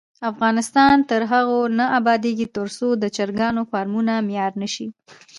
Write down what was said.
افغانستان تر هغو نه ابادیږي، ترڅو د چرګانو فارمونه معیاري نشي.